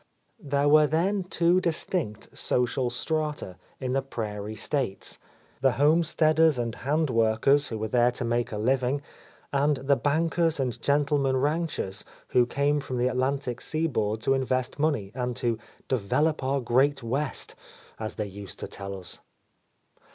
There were then two distinct social — 9 ^ A L,ost Lady strata in the prairie States ; the homesteaders and hand workers who were there to make a living, and the bankers and gentlemen ranchers who came from the Atlantic seaboard to invest money and to "develop our great West," as they used to tell us.